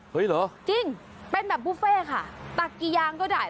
เหรอจริงเป็นแบบบุฟเฟ่ค่ะตักกี่ยางก็ได้